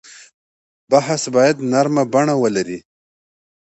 بحث باید نرمه بڼه ولري.